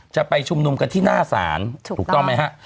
จะไปชุมนุมกันที่หน้าศาลถูกต้องไหมฮะ